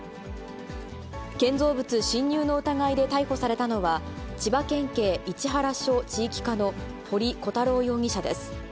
建造物侵入の疑いで逮捕されたのは、千葉県警市原署地域課の堀鼓太郎容疑者です。